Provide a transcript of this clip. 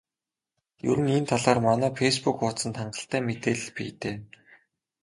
Ер нь энэ талаар манай фейсбүүк хуудсанд хангалттай мэдээлэл бий дээ.